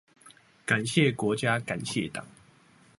感謝國家感謝黨